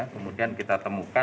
kemudian kita temukan